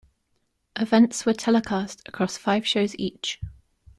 Events were telecast across five shows each.